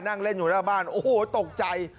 นั่งเล่นอยู่หน้าบ้านโอ้โหตกใจ